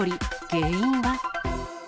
原因は？